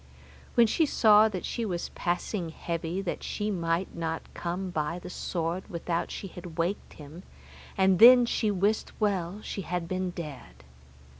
When she saw that she was passing heavy that she might not come by the sword without she had awaked him, and then she wist well she had been dead.